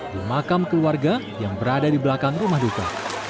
di makam keluarga yang berada di belakang rumah duka